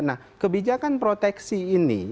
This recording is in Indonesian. nah kebijakan proteksi ini